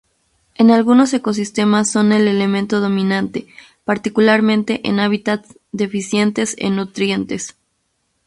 En algunos ecosistemas son el elemento dominante, particularmente en hábitats deficientes en nutrientes.